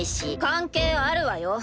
関係あるわよ。